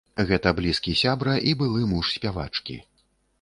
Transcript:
Гэта блізкі сябра і былы муж спявачкі.